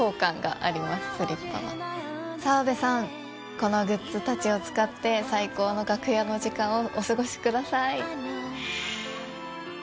このグッズたちを使って最高の楽屋の時間をお過ごしください。